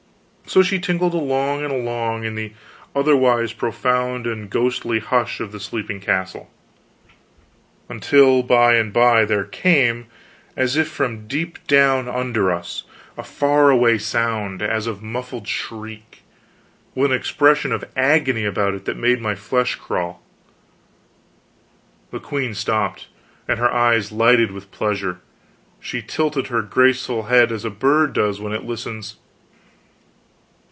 So she tinkled along and along, in the otherwise profound and ghostly hush of the sleeping castle, until by and by there came, as if from deep down under us, a far away sound, as of a muffled shriek with an expression of agony about it that made my flesh crawl. The queen stopped, and her eyes lighted with pleasure; she tilted her graceful head as a bird does when it listens.